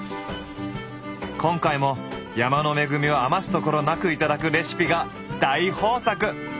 今回も山の恵みを余すところなく頂くレシピが大豊作！